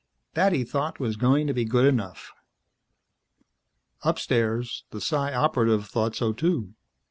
That, he thought, was going to be good enough. Upstairs, the Psi Operative thought so, too.